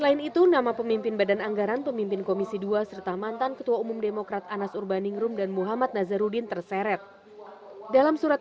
untuk merealisasikan pemberian video tersebut